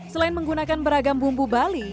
selain menggunakan beragam bumbu bali